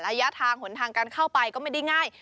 ระยะทางหนทางการเข้าไปก็ไม่ได้ง่าย